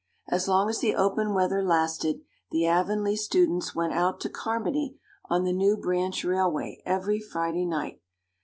As long as the open weather lasted the Avonlea students went out to Carmody on the new branch railway every Friday night.